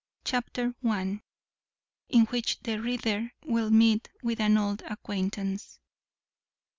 Chapter i. _In which the reader will meet with an old acquaintance.